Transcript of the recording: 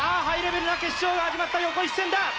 ハイレベルな決勝が始まった横一線だ！